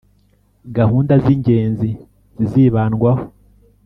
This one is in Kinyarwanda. gahunda z'ingenzi zizibandwaho .